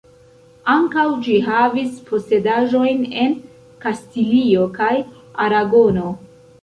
Ankaŭ ĝi havis posedaĵojn en Kastilio kaj Aragono.